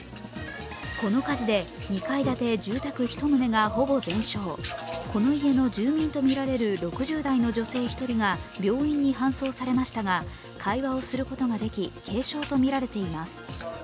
この火事で２階建て住宅１棟がほぼ全焼この家の住民とみられる６０代の女性１人が病院に搬送されましたが会話をすることができ軽傷とみられています。